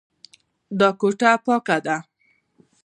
دا کوټه پاکه ده.